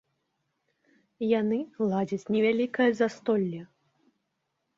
Яны ладзяць невялікае застолле.